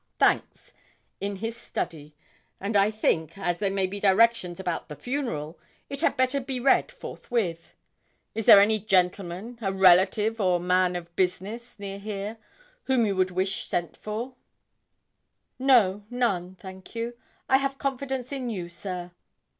thanks, in his study. And, I think, as there may be directions about the funeral, it had better be read forthwith. Is there any gentleman a relative or man of business near here, whom you would wish sent for?' 'No, none, thank you; I have confidence in you, sir.'